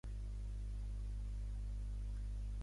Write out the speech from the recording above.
Ell rascades i Agullons jo!